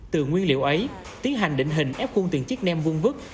từ nguyên liệu ấy tiến hành định hình ép khung tiền chiếc nem vuông vứt